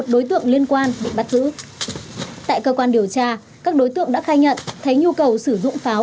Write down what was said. một đối tượng liên quan bị bắt giữ tại cơ quan điều tra các đối tượng đã khai nhận thấy nhu cầu sử dụng pháo